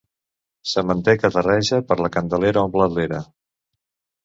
Sementer que terreja per la Candelera omple l'era.